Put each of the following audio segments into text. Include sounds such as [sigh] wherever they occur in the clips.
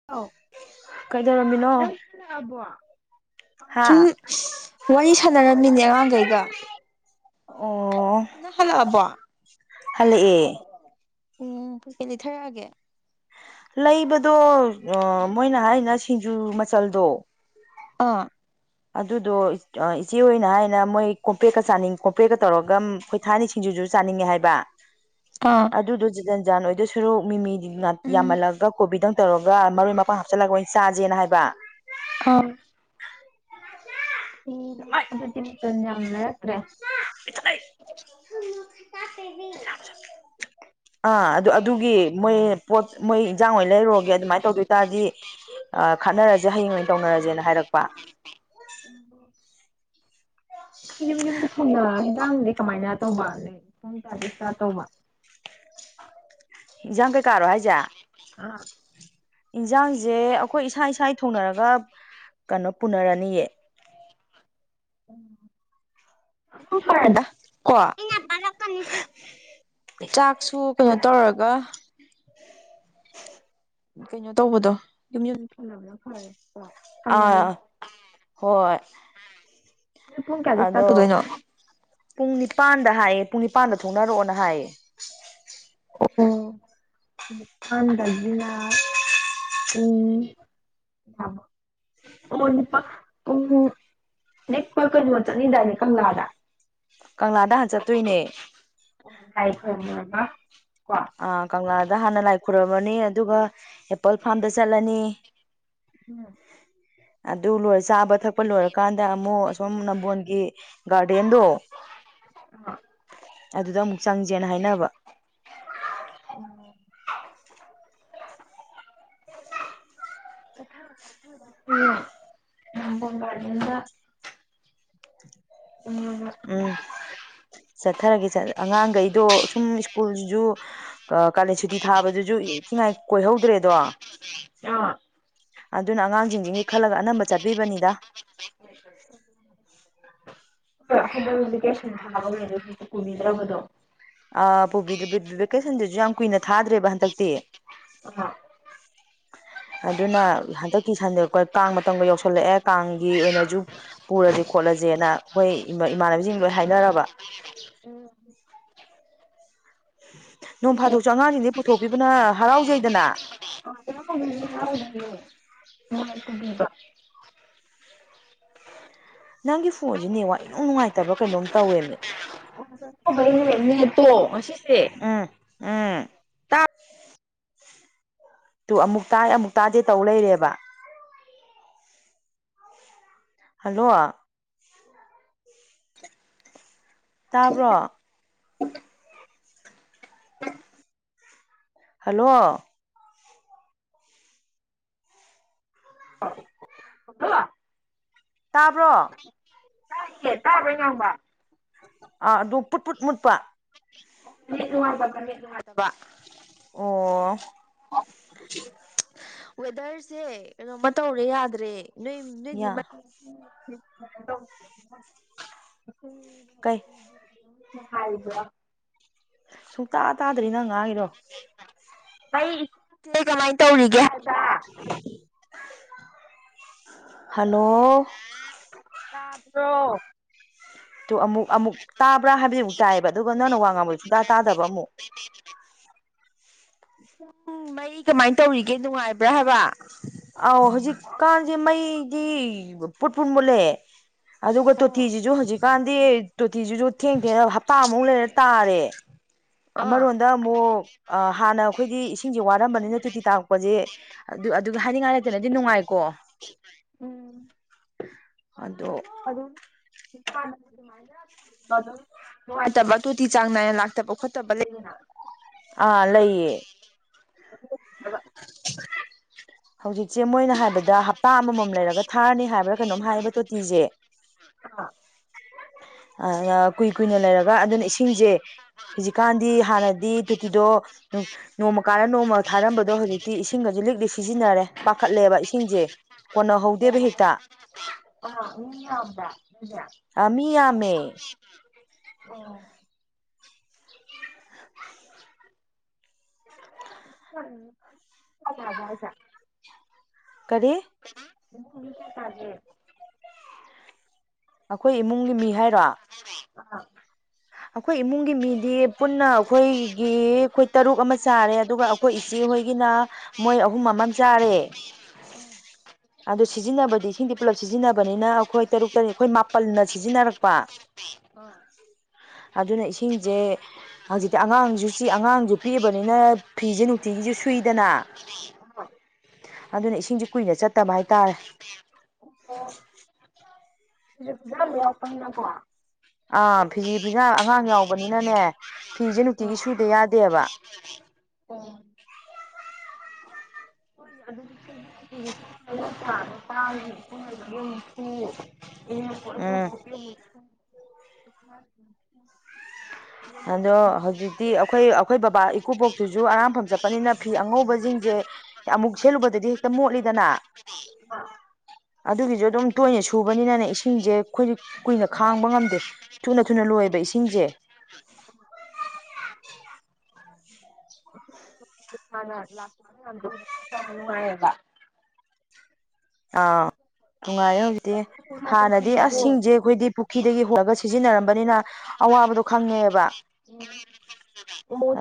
[inaudible] [unintelligible] ꯀꯩꯗꯧꯔꯝꯃꯤꯅꯣ ꯍꯥ ꯋꯥꯔꯤ ꯁꯥꯟꯅꯔꯝꯃꯤꯅꯦ ꯑꯉꯥꯡꯒꯩꯒ꯫ ꯑꯣ ꯅꯪ ꯍꯜꯂꯛꯑꯕꯣ [unintelligible] ꯍꯜꯂꯛꯑꯦ ꯑꯣ ꯀꯩ ꯂꯩꯊꯔꯛꯑꯒꯦ ꯂꯩꯕꯗꯣ ꯑ ꯃꯣꯏꯅ ꯍꯥꯏꯅ ꯁꯤꯡꯖꯨ ꯃꯆꯜꯗꯣ ꯑꯥ ꯑꯗꯨꯗꯣ ꯑ ꯏꯆꯦ ꯍꯣꯏꯅ ꯍꯥꯏꯅ ꯃꯣꯏ ꯀꯣꯝꯄꯦꯥꯔꯦꯛꯀ ꯆꯥꯅꯩ ꯀꯣꯝꯄꯔꯦꯛꯀ ꯇꯧꯔꯒ ꯑꯝ ꯈꯣꯏ ꯊꯥꯏꯅꯩ ꯁꯤꯡꯖꯨꯖꯨ ꯆꯥꯅꯤꯡꯉꯦ ꯍꯥꯏꯕ꯫ ꯀ ꯑꯗꯨꯗꯨ ꯖꯜ ꯖꯥꯟ ꯑꯣꯏꯗꯣꯏ ꯁꯔꯨ ꯃꯤꯃꯤ ꯎꯝ ꯌꯥꯝꯃꯜꯂꯒ ꯀꯣꯕꯤꯗꯪ ꯇꯧꯔꯒ ꯃꯔꯣꯏ ꯃꯄꯥꯡ ꯍꯥꯞꯆꯤꯜꯂꯒ ꯑꯣꯏꯅ ꯆꯥꯥꯖꯦꯅ ꯍꯥꯏꯕ ꯑꯥ [unintelligible] ꯑꯣ ꯑꯗꯨꯗꯤ ꯃꯆꯜ ꯌꯥꯝ ꯂꯩꯔꯛꯇ꯭ꯔꯦ [inaudible] ꯑꯥ ꯑꯗꯨ ꯑꯗꯨꯒꯤ ꯃꯣꯏ ꯄꯣꯠ ꯃꯣꯏ ꯏꯟꯖꯥꯡ ꯑꯣꯏꯅ ꯂꯩꯔꯨꯔꯒꯦ ꯑꯗꯨꯃꯥꯏꯅ ꯇꯧꯗꯣꯏ ꯇꯥꯔꯗꯤ ꯑ ꯈꯠꯅꯔꯖꯦ ꯍꯌꯦꯡ ꯑꯣꯏꯅ ꯇꯧꯅꯔꯖꯦꯅ ꯍꯥꯏꯔꯛꯄ ꯏꯌꯨꯝ ꯌꯨꯝꯗ ꯊꯅ ꯍꯟꯖꯥꯡꯗꯤ ꯀꯃꯥꯏꯅ ꯇꯧꯕ ꯂ ꯄꯨꯡ ꯇꯥꯔ ꯏꯁꯇꯥ ꯇꯧꯕ ꯏꯟꯖꯥꯡ ꯀꯩꯀꯥꯔꯣ ꯍꯥꯏꯖꯦ ꯑ ꯏꯟꯁꯥꯡꯁꯦ ꯑꯩꯈꯣꯏ ꯏꯁꯥ ꯏꯁꯥꯒꯤ ꯊꯣꯡꯅꯔꯒ ꯀꯩꯅꯣ ꯄꯨꯅꯔꯅꯤꯌꯦ ꯐꯔꯦꯗ ꯀꯣ ꯇꯥꯔꯛꯀꯟ ꯆꯥꯛꯁꯨ ꯀꯩꯅꯣ ꯇꯧꯔꯒ ꯀꯩꯅꯣ ꯇꯧꯕꯗꯣ ꯌꯨꯝ [inaudible] ꯑꯥ ꯍꯣꯏ ꯅꯣꯏ ꯄꯨꯡ ꯀꯌꯥꯗ ꯏꯁꯇꯥꯔꯠ ꯑꯗꯣ ꯇꯧꯗꯣꯏꯅꯣ ꯄꯨꯡ ꯅꯤꯄꯥꯟꯗ ꯍꯥꯏꯌꯦ ꯄꯨꯡ ꯅꯤꯄꯥꯟꯗ ꯊꯣꯛꯅꯔꯛꯑꯣꯅ ꯍꯥꯏꯌꯦ ꯑꯣ ꯐꯥꯟꯗꯒꯤꯅꯥ ꯄꯨꯡ ꯃꯥ ꯑꯣꯄꯥ ꯎꯝ ꯅꯦꯛꯄ ꯀꯩꯅꯣ ꯆꯠꯅꯤꯗꯥꯏꯅꯦ ꯀꯪꯂꯥꯗ ꯀꯪꯂꯥꯗ ꯍꯥꯟ ꯆꯠꯇꯣꯏꯅꯦ ꯑꯣ ꯂꯥꯏꯈꯨꯔꯝꯃꯨꯔꯒ ꯀꯣ ꯑ ꯀꯪꯂꯥꯗ ꯍꯥꯟꯅ ꯂꯥꯏ ꯈꯨꯔꯝꯃꯅꯤ ꯑꯗꯨꯒ ꯑꯦꯄꯜ ꯐꯥꯔꯝꯗ ꯆꯠꯂꯅꯤ ꯎꯝ ꯑꯗꯨ ꯂꯣꯏꯔ ꯆꯥꯕ ꯊꯛꯄ ꯂꯣꯏꯔꯀꯥꯟꯗ ꯑꯃꯨꯛ ꯑꯁꯨꯝ ꯅꯝꯕꯣꯟꯒꯤ ꯒꯥꯔꯗꯦꯟꯗꯣ ꯑꯗꯨꯗ ꯑꯃꯨꯛ ꯆꯪꯁꯦꯅ ꯍꯥꯏꯅꯕ [inaudible] [inaudible] [inaudible] ꯎꯝ ꯆꯠꯊꯔꯒꯦ ꯑꯉꯥꯡꯈꯩꯗꯣ ꯁꯨꯝ ꯁ꯭ꯀꯨꯜꯁꯤꯁꯨ ꯀꯥꯂꯦꯟ ꯁꯨꯇꯤ ꯊꯥꯕꯗꯨꯁꯨ ꯏꯊꯤꯉꯥꯏ ꯀꯣꯏꯍꯧꯗ꯭ꯔꯦꯗꯣ ꯑ ꯑꯗꯨꯅ ꯑꯉꯥꯡꯖꯤꯡꯖꯤꯒꯤ ꯈꯜꯂꯒ ꯑꯅꯝꯕ ꯆꯠꯄꯤꯕꯅꯤꯗ [inaudible] [inaudible] ꯑ ꯄꯨꯕꯤꯗꯕꯗꯨꯗ ꯀꯩꯁꯟꯗꯖꯨ ꯌꯥꯝ ꯀꯨꯏꯅ ꯊꯥꯗ꯭ꯔꯦꯕ ꯍꯟꯗꯛꯇꯤ ꯍꯥ ꯑꯗꯨꯅ ꯍꯟꯗꯛꯀꯤ ꯁꯟꯗꯦ ꯀꯣꯏ ꯀꯥꯡ ꯃꯇꯝꯒ ꯌꯧꯁꯜꯂꯛꯑꯦ ꯀꯥꯡꯒꯤ ꯑꯣꯏꯅꯁꯨ ꯄꯨꯔꯁꯦ ꯈꯣꯠꯂꯁꯦꯅ ꯑꯩꯈꯣꯏ ꯏꯃꯥꯟꯅꯕꯤꯁꯤꯡ ꯂꯣꯏ ꯍꯥꯏꯅꯔꯕ ꯎꯝ ꯅꯣꯡ ꯐꯥꯗꯣꯛꯁꯨ ꯑꯉꯥꯡꯁꯤꯡꯁ‌ꯦ ꯄꯨꯊꯣꯛꯄꯤꯕꯅ ꯍꯔꯥꯎꯖꯩꯗꯅ [unintelligible] ꯅꯪꯒꯤ ꯐꯣꯟꯁ‌ꯦ ꯅꯦꯋꯥꯛ ꯏꯅꯨꯡ ꯅꯨꯡꯉꯥꯏꯇꯕ꯭ꯔ ꯀꯩꯅꯣꯝ ꯇꯧꯋꯦꯃꯦ [unintelligible] ꯇꯣ ꯑꯁꯤꯁꯦ ꯑꯥ ꯇꯨ ꯑꯃꯨꯛ ꯇꯥꯏ ꯑꯃꯨꯛ ꯇꯥꯗꯦ ꯇꯧ ꯂꯩꯔꯦꯕ ꯍꯜꯂꯣ ꯇꯥꯕ꯭ꯔꯣ ꯍꯜꯂꯣ [unintelligible] ꯇꯥꯕ꯭ꯔꯣ ꯇꯥꯌꯦ ꯇꯥꯕꯔꯥ ꯑꯩꯅ ꯉꯥꯡꯕ ꯑꯥ ꯑꯗꯨ ꯄꯨꯠ ꯐꯨꯠ ꯃꯨꯠꯄ ꯑꯣ [inaudible] ꯋꯦꯗꯔꯁꯦ ꯀꯩꯅꯣꯃ ꯇꯧꯔꯦ ꯌꯥꯗ꯭ꯔꯦ ꯅꯣꯏ ꯅꯣꯏꯗꯤ ꯌꯥ [unintelligible] ꯀꯩ ꯅꯨꯡꯉꯥꯏꯔꯤꯕꯔ‌ꯣ ꯁꯨꯡꯇꯥ ꯇꯥꯗ꯭ꯔ‌ꯦ ꯅꯪ ꯉꯥꯡꯉꯤꯗ‌ꯣ ꯑꯩ ꯏꯆ‌ꯦ ꯀꯃꯥꯏ ꯇꯧꯔꯤꯒꯦ ꯍꯥꯏꯕ [unintelligible] ꯍꯜꯂꯣ ꯇꯥꯕ꯭ꯔꯣ ꯇꯣ ꯑꯃꯨꯛ ꯑꯃꯨꯛ ꯇꯥꯕ꯭ꯔꯥ ꯍꯥꯏꯕꯗꯤ ꯑꯃꯨꯛ ꯇꯥꯏꯑꯦꯕ ꯑꯗꯨꯒ ꯅꯪꯅ ꯋꯥ ꯉꯥꯡꯕꯗꯤ ꯁꯨꯡꯇꯥ ꯇꯥꯗꯕ ꯑꯃꯨꯛ [unintelligible] ꯎꯝ ꯃꯩ ꯀꯃꯥꯏ ꯇꯧꯔꯤꯒꯦ ꯅꯨꯡꯉꯥꯏꯕ꯭ꯔꯥ ꯍꯥꯏꯕ ꯑꯥꯎ ꯍꯧꯖꯤꯛꯀꯥꯟꯁꯦ ꯃꯩꯗꯤ ꯄꯨꯠ ꯄꯨꯠ ꯃꯨꯜꯂꯦ ꯑꯗꯨꯒ ꯑꯣ ꯇꯣꯇꯤꯖꯤꯖꯨ ꯍꯧꯖꯤꯛꯀꯥꯟꯗꯤ ꯇꯣꯇꯤꯖꯤꯖꯨ ꯊꯦꯡꯊꯦꯡꯅ ꯍꯞꯇꯥ ꯑꯃꯨꯛ ꯂꯩꯔ ꯇꯥꯔꯦ ꯑꯥ ꯑꯃꯔꯣꯝꯗ ꯑꯃꯨꯛ ꯑꯥ ꯍꯥꯟꯅ ꯑꯩꯈꯣꯏꯗꯤ ꯏꯁꯤꯡꯁꯦ ꯋꯥꯔꯝꯕꯅꯤꯅ ꯇꯨꯇꯤ ꯇꯥꯔꯛꯄꯁꯦ ꯑꯗꯨ ꯑꯗꯨꯒ ꯍꯥꯏꯅꯤꯡꯉꯥꯏ ꯂꯩꯇꯅꯗꯤ ꯅꯨꯡꯉꯥꯏꯀꯣ ꯑꯗꯣ [unintelligible] ꯅꯨꯡꯉꯥꯏꯇꯕ ꯇꯣꯇꯤ ꯆꯥꯡ ꯅꯥꯏꯅ ꯂꯥꯛꯇꯕ ꯈꯣꯠꯇꯕ ꯂꯩꯗꯅ ꯑꯥ ꯂꯩꯌꯦ [unintelligible] ꯍꯧꯖꯤꯛꯁ‌ꯦ ꯃꯣꯏꯅ ꯍꯥꯏꯕꯗ ꯍꯞꯇꯥ ꯑꯃꯃꯝ ꯂꯩꯔꯒ ꯊꯥꯔꯅꯤ ꯍꯥꯏꯕ꯭ꯔꯥ ꯀꯩꯅꯣꯝ ꯍꯥꯏꯌꯦꯕ ꯇꯣꯇꯤꯖꯦ [unintelligible] ꯑ ꯀꯨꯏ ꯀꯨꯏꯅ ꯂꯩꯔꯒ ꯑꯗꯨꯅ ꯏꯁꯤꯡꯁꯦ ꯍꯧꯖꯤꯛꯀꯥꯟꯗꯤ ꯍꯥꯟꯅꯗꯤ ꯇꯨꯇꯤꯗꯣ‌ ꯑꯗꯨꯝ ꯅꯣꯡꯃ ꯀꯥꯜꯂ ꯅꯣꯡꯃ ꯊꯥꯔꯝꯕꯗꯣ ꯍꯧꯖꯤꯛꯇꯤ ꯏꯁꯤꯡꯒꯁ‌ꯦ ꯂꯤꯛꯂꯤꯛ ꯁꯤꯖꯤꯟꯅꯔꯦ ꯄꯥꯈꯠꯂꯦꯕ ꯏꯁꯤꯡꯁꯦ ꯀꯣꯟꯅꯍꯧꯗꯦꯕ ꯍꯦꯛꯇ ꯑꯥ ꯃꯤ ꯌꯥꯝꯕꯔ‌ ꯑ ꯃꯤ ꯌꯥꯝꯃꯦ ꯑꯣ [unintelligible] [unintelligible] ꯀꯔꯤ [inaudible] ꯑꯩꯈꯣꯏ ꯏꯃꯨꯡꯒꯤ ꯃꯤ ꯍꯥꯏꯔꯣ [unintelligible] ꯑꯩꯈꯣꯏ ꯏꯃꯨꯡꯒꯤ ꯃꯤꯗꯤ ꯄꯨꯟꯅ ꯑꯩꯈꯣꯏꯒꯤ ꯑꯩꯈꯣꯏ ꯇꯔꯨꯛ ꯑꯃ ꯆꯥꯔꯦ ꯑꯗꯨꯒ ꯑꯩꯈꯣꯏ ꯏꯆꯦꯍꯣꯏꯒꯤꯅ ꯃꯣꯏ ꯑꯍꯨꯝ ꯑꯃ ꯆꯥꯔꯦ ꯑꯗꯨ ꯁꯤꯖꯤꯟꯅꯕꯗꯤ ꯏꯁꯤꯡꯗꯤ ꯄꯨꯜꯂꯞ ꯁꯤꯖꯤꯟꯅꯕꯅꯤꯅ ꯑꯈꯣꯏ ꯇꯔꯨꯛ ꯇꯅꯤ ꯑꯩꯈꯣꯏ ꯃꯥꯄꯜꯅ ꯁꯤꯖꯤꯟꯅꯔꯛꯄ ꯑ ꯑꯗꯨꯅ ꯏꯁꯤꯡꯖꯦ ꯍꯧꯖꯤꯛꯇꯤ ꯑꯉꯥꯡꯁꯨ ꯆ ꯑꯉꯥꯡꯁꯨ ꯄꯤꯛꯑꯕꯅꯤꯅ ꯐꯤꯁꯦ ꯅꯨꯡꯇꯤꯒꯤꯁꯨ ꯁꯨꯏꯗꯅ ꯑꯗꯨꯅ ꯏꯁꯤꯡꯁꯦ ꯀꯨꯏꯅ ꯆꯠꯇꯕ ꯍꯥꯏꯇꯥꯔꯦ ꯑꯣ ꯗ ꯂꯄꯅ ꯀ ꯑꯥ ꯐꯤꯖꯤ ꯐꯤꯖꯥꯝ ꯑꯉꯥꯡ ꯌꯥꯎꯕꯅꯤꯅꯅꯦ ꯐꯤꯁꯦ ꯅꯨꯡꯇꯤꯒꯤ ꯁꯨꯗ ꯌꯥꯗꯦꯕ [unintelligible] ꯎꯝ [unintelligible] [unintelligible] ꯑꯗꯣ ꯍꯧꯖꯤꯛꯇꯤ ꯑꯩꯈꯣꯏ ꯑꯩꯈꯣꯏ ꯕꯕꯥ ꯏꯀꯨꯕꯣꯛꯇꯨꯁꯨ ꯑꯔꯥꯝꯐꯝ ꯆꯠꯄꯅꯤꯅ ꯐꯤ ꯑꯉꯧꯕꯁꯤꯡꯁꯦ ꯑꯃꯨꯛ ꯁꯦꯠꯂꯨꯕꯗꯗꯤ ꯍꯦꯛꯇ ꯃꯣꯠꯂꯤꯗꯅ [unintelligible] ꯑꯗꯨꯒꯤꯁꯨ ꯑꯗꯨꯝ ꯇꯣꯏꯅ ꯁꯨꯕꯅꯤꯅꯅꯦ ꯏꯁꯤꯡꯁꯦ ꯑꯩꯈꯣꯏꯗꯤ ꯀꯨꯏꯅ ꯈꯥꯡꯕ ꯉꯝꯗꯦ ꯊꯨꯅ ꯑꯗꯨꯅ ꯂꯣꯏꯕ ꯏꯁꯤꯡꯁꯦ ꯃꯅ ꯂꯥꯁꯉꯦꯕ ꯑꯥ ꯅꯨꯡꯉꯥꯏꯔꯦ ꯍꯧꯖꯤꯛꯇꯤ ꯍꯥꯟꯅꯗꯤ ꯑꯁꯤꯡꯁꯦ ꯑꯩꯈꯣꯏꯗꯤ ꯄꯨꯈ꯭ꯔꯤꯗꯒꯤ ꯍꯣꯜꯂꯒ ꯆꯠ ꯁꯤꯖꯤꯟꯅꯔꯝꯕꯅꯤꯅ ꯑꯋꯥꯕꯗꯣ ꯈꯪꯉꯦꯕ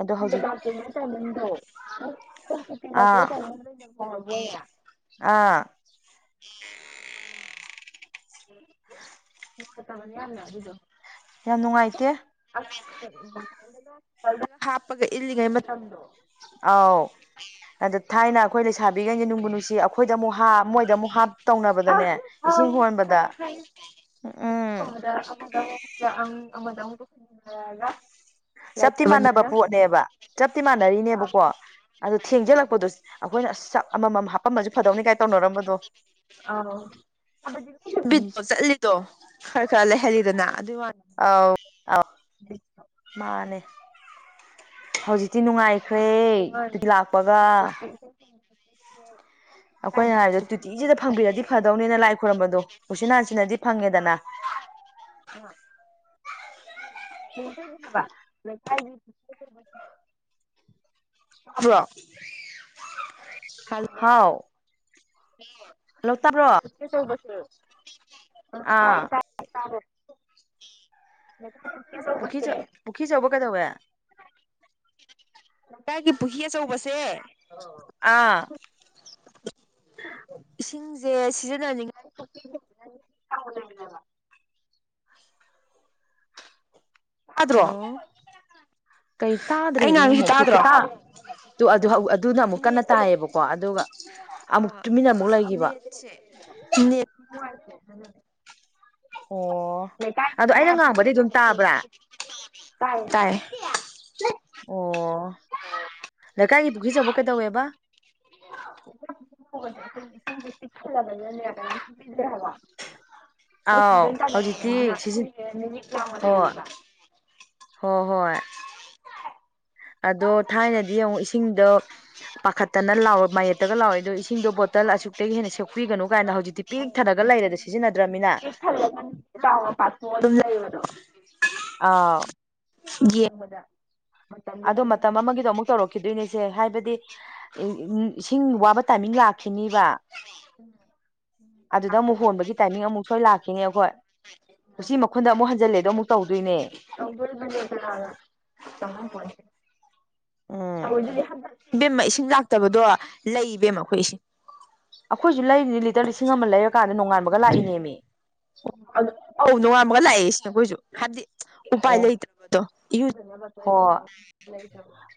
ꯑꯗꯣ ꯍꯧꯖꯤꯛ [unintelligible] ꯑꯥ [unintelligible] ꯑꯥ ꯅꯨꯡꯉꯥꯢꯇꯕꯅꯥ ꯌꯥꯝꯅ ꯑꯗꯨꯗꯣ ꯌꯥꯝ ꯅꯨꯡꯉꯥꯏꯇꯦ ꯍꯥꯄꯒ ꯏꯜꯂꯤꯉꯩ ꯃꯇꯝꯗꯣ ꯑꯧ ꯑꯗ ꯊꯥꯏꯅ ꯑꯩꯈꯣꯏ ꯂꯩꯁꯥꯕꯤꯒꯩꯅꯤ ꯅꯨꯡꯕꯨ ꯅꯨꯡꯁꯤ ꯑꯩꯈꯣꯏꯗ ꯑꯃꯨꯛ ꯍꯥ ꯃꯣꯏꯗ ꯑꯃꯨꯛ ꯍꯥ ꯇꯧꯅꯕꯗꯅꯦ ꯏꯁꯤꯡ ꯍꯣꯟꯕꯗ ꯎꯝ ꯎꯝ [unintelligible] ꯆꯞꯇꯤ ꯃꯥꯟꯅꯕ ꯂꯩꯇꯕꯅꯤꯅ ꯄꯣꯠꯅꯦꯕ ꯆꯞꯇꯤ ꯃꯥꯟꯅꯔꯤꯅꯦꯕꯀꯣ ꯑꯗꯨ ꯊꯦꯡꯖꯤꯜꯂꯛꯄꯗꯣ ꯑꯈꯣꯏꯅ ꯑꯁ ꯆꯞ ꯑꯃꯃꯝ ꯍꯥ ꯐꯗꯧꯅꯤ ꯀꯥꯏ ꯇꯧꯅꯔꯝꯕꯗꯣ ꯍꯥꯏꯕꯗꯤ ꯃꯤꯁꯨ ꯕꯤꯠꯇꯣ ꯆꯠꯂꯤꯗꯣ ꯈꯔ ꯈꯔ ꯂꯩꯍꯜꯂꯤꯗꯅ ꯑꯗꯨꯏ ꯋꯥ ꯑꯥꯎ ꯑ ꯎꯝ ꯃꯥꯅꯦ ꯍꯧꯖꯤꯛꯇꯤ ꯅꯨꯡꯉꯥꯏ [unintelligible] ꯍꯥꯏ ꯑꯩꯈꯣꯏꯅ ꯍꯥꯏꯕꯗꯣ ꯇꯨꯇꯤꯁꯤꯗ ꯐꯪꯕꯤꯔꯗꯤ [unintelligible] ꯐꯗꯧꯅꯤꯅ ꯂꯥꯏ ꯈꯣꯏꯔꯝꯕꯗꯣ ꯎꯆꯤꯟ ꯅꯥꯆꯤꯟꯅꯗꯤ ꯑ ꯐꯪꯉꯦꯗꯅ [unintelligible] ꯂꯩꯀꯥꯏꯒꯤ [unintelligible] ꯇꯥꯕ꯭ꯔꯣ ꯍꯜ ꯍꯥꯎ ꯍꯜꯂꯣ ꯇꯥꯕ꯭ꯔꯣ [unintelligible] ꯇꯥꯏꯌꯦ ꯑꯥ ꯇꯥꯏ [unintelligible] ꯄꯨꯈꯤ ꯆꯧꯕ ꯀꯩꯗꯧꯋꯦ ꯂꯩꯀꯥꯢꯒꯤ ꯄꯨꯍꯤ ꯑꯆꯧꯕꯁꯦ ꯑꯥ ꯏꯁꯤꯡꯁꯦ ꯁꯤꯖꯤꯟꯅꯅꯤꯡꯉꯥꯏ [inaudible] ꯇꯥꯗ꯭ꯔꯣ ꯍꯜꯂꯣ ꯀꯩ ꯑꯩ ꯇꯥꯗ꯭ꯔꯦꯃꯤ ꯉꯥꯡꯉꯤꯁꯤ ꯑꯃꯨꯛꯇꯨ ꯇꯥꯗ꯭ꯔꯣ [unintelligible] [unintelligible] ꯑꯗꯨꯅ ꯑꯃꯨꯛ ꯀꯟꯅ ꯅꯦꯠ ꯇꯥꯏꯌꯦꯕꯀꯣ ꯑꯗꯨꯒ ꯑꯃꯨꯛ ꯇꯨꯃꯤꯟꯅ ꯑꯃꯨꯛ ꯂꯩꯈꯤꯕ ꯅꯤ ꯑꯣ ꯑꯗꯣ ꯑꯩꯅ ꯉꯥꯡꯕꯗꯤ ꯑꯗꯨꯝ ꯇꯥꯕ꯭ꯔꯥ ꯇꯥꯏ ꯇꯥꯏ ꯑꯣ ꯂꯩꯀꯥꯏꯒꯤ ꯄꯨꯈ꯭ꯖꯕ ꯀꯩꯗꯧꯋꯦꯕ [unintelligible] ꯑꯥꯎ ꯍꯧꯖꯤꯛꯇꯤ ꯁꯤꯖꯤ ꯍꯣꯏ ꯍꯣꯏ ꯍꯣꯏ ꯑꯗꯣ ꯊꯥꯏꯅꯗꯤ ꯑꯃꯨꯛ ꯏꯁꯤꯡꯗꯣ ꯄꯥꯈꯠꯇꯅ ꯂꯥꯎꯔ ꯃꯌꯦꯞꯇꯒ ꯂꯥꯎꯔꯦꯗꯣ ꯏꯁꯤꯡꯗꯣ ꯕꯣꯇꯜ ꯑꯁꯨꯛꯇꯒꯤ ꯍꯦꯟꯅ ꯁꯣꯛꯄꯤꯒꯅꯨ ꯀꯥꯏꯅ ꯍꯧꯖꯤꯛꯇꯤ ꯄꯤꯛ ꯑꯣ ꯊꯅꯒ ꯂꯩꯔꯦꯗ ꯁꯤꯖꯤꯟꯅꯗ꯭ꯔꯃꯤꯅ ꯊꯜꯂꯒ ꯆꯥꯎ ꯄꯥꯊꯣꯛ ꯑꯗꯨꯝ ꯂꯩꯕꯗꯣ ꯑꯥ ꯌꯦꯡꯕꯗ ꯑꯗꯣ ꯃꯇꯝ ꯑꯃꯒꯤꯗꯣ ꯑꯃꯨꯛ ꯇꯧꯔꯛꯈꯤꯗꯣꯏꯅꯦꯁꯦ ꯍꯥꯏꯕꯗꯤ ꯎ ꯏꯁꯤꯡ ꯋꯥꯕ ꯇꯥꯏꯃꯤꯡ ꯂꯥꯛꯈꯤꯅꯤꯕ ꯑꯗꯨꯗ ꯑꯃꯨꯛ ꯍꯣꯟꯕꯒꯤ ꯇꯥꯏꯃꯤꯡ ꯑꯃꯨꯛ ꯁꯣꯏ ꯂꯥꯛꯈꯤꯅꯦ ꯑꯩꯈꯣꯏ ꯎꯆꯤ ꯃꯈꯨꯟꯗ ꯑꯃꯨꯛ ꯍꯟꯖꯤꯜꯂꯦꯗ ꯑꯃꯨꯛ ꯇꯧꯗꯣꯏꯅꯦ [unintelligible] ꯎꯝ ꯏꯕꯦꯝꯃ ꯏꯁꯤꯡ ꯂꯥꯛꯇꯕꯗꯣ ꯂꯩ ꯏꯕꯦꯝꯃ ꯑꯩꯈꯣꯏ ꯏꯁꯤꯡ ꯑꯩꯈꯣꯏꯁꯨ ꯂꯩꯔꯤꯗꯤ ꯂꯤꯇꯔ ꯂꯤꯁꯤꯡ ꯑꯃ ꯂꯩꯔꯀꯥꯟꯗ ꯅꯣꯡꯉꯥꯟꯕꯒ ꯂꯥꯛꯏꯅꯦꯃꯤ ꯧ ꯅꯣꯡꯉꯥꯝꯃꯒ ꯂꯥꯛꯑꯦꯁꯦ ꯑꯩꯈꯣꯏꯁꯨ ꯍꯥꯏꯗꯤ ꯎꯄꯥꯏ ꯑꯣ ꯂꯩꯇꯕꯗꯣ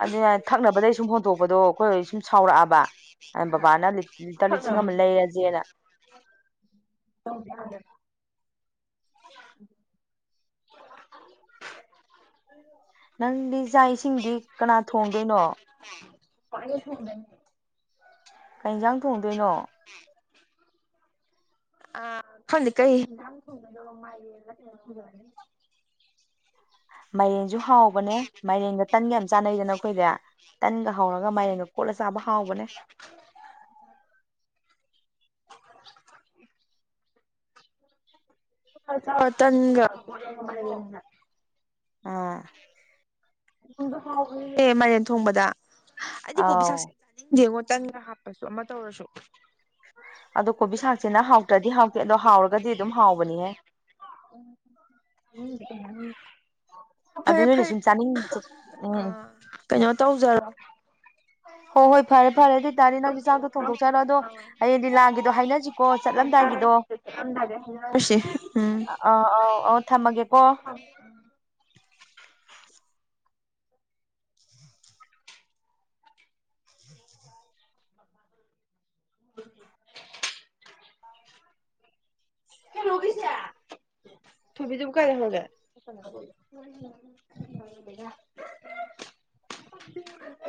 ꯑꯗꯨ ꯌꯥ ꯊꯛꯅꯕꯗꯩ ꯁꯨꯝ ꯍꯣꯟꯇꯣꯛꯄꯗꯣ ꯑꯩꯈꯣꯏ ꯁꯨꯝ ꯁꯥꯎꯔꯛꯑꯕ ꯕꯕꯥꯅ ꯂꯤꯇꯔ ꯂꯤꯁꯤꯡ ꯑꯃ ꯂꯩꯔꯁꯦꯅ [unintelligible] ꯅꯪꯗꯤ ꯆꯥꯛ ꯏꯁꯤꯡꯗꯤ ꯀꯅꯥ ꯊꯣꯡꯗꯣꯏꯅꯣ ꯀꯦꯁꯗꯅꯤ ꯀ ꯌꯦꯟꯖꯥꯡ ꯊꯣꯡꯗꯣꯏꯅꯣ ꯑ ꯐꯗꯤ ꯀꯩ [unintelligible] ꯃꯥꯏꯔꯦꯟꯁꯨ ꯍꯥꯎꯕꯅꯦ ꯃꯥꯏꯔꯦꯟꯒ ꯇꯟꯒ ꯌꯥꯝ ꯆꯥꯟꯅꯩꯗꯅ ꯑꯩꯈꯣꯏꯗꯤ ꯇꯟꯒ ꯍꯧꯔꯒ ꯃꯥꯏꯔꯦꯡꯒ ꯀꯣꯠꯂ ꯆꯥꯕ ꯍꯥꯎꯕꯅꯦ [unintelligible] ꯇꯪꯒ ꯑꯥ ꯑꯦ ꯃꯦꯏꯔꯦꯟ ꯊꯣꯡꯕꯗ ꯑꯩꯗꯤ ꯑꯥꯎ ꯀꯣꯕꯤꯁꯥꯛꯁꯤ ꯌꯦꯡꯉꯣ ꯇꯟꯒ ꯍꯥꯞꯄꯁꯨ ꯑꯃ ꯇꯧꯔꯁꯨ ꯑꯗꯣ ꯀꯣꯕꯤ ꯁꯥꯛꯁꯦꯅ ꯍꯥꯎꯇ꯭ꯔꯗꯤ ꯍꯥꯎꯇꯦ ꯑꯗꯣ ꯍꯥꯎꯔꯒꯗꯤ ꯑꯗꯨꯝ ꯍꯥꯎꯕꯅꯤꯍꯦ ꯎꯝ ꯑꯗꯨ ꯅꯣꯏꯅ ꯁꯨꯝ ꯆꯥꯅꯤꯡ ꯎꯝ ꯀꯩꯅꯣ ꯇꯧꯖꯔꯣ ꯍꯣ ꯍꯣꯏ ꯐꯔꯦ ꯐꯔꯦ ꯑꯗꯨ ꯑꯣꯏꯇꯥꯔꯗꯤ ꯅꯪꯁꯨ ꯆꯥꯛꯗꯣ ꯊꯣꯡꯗꯣꯛꯆꯔꯣ ꯑꯗꯣ ꯍꯌꯦꯡꯗꯤ ꯂꯥꯡꯒꯤꯗꯣ ꯍꯥꯏꯅꯁꯤꯀꯣ ꯆꯠꯂꯝꯗꯥꯏꯒꯤꯗꯣ ꯆꯠꯂꯝꯗꯥꯏꯗ ꯍꯥꯏꯅꯔꯁꯤ ꯎꯝ ꯑꯥ ꯑꯥꯎ ꯑꯥꯎ ꯊꯝꯃꯒꯦꯀꯣ [inaudible] ꯃꯈꯣꯟ ꯃꯇꯥ ꯊꯣꯛꯇꯔꯦ ꯊꯕꯤ ꯇꯕ ꯀꯔ ꯍꯒ [unintelligible]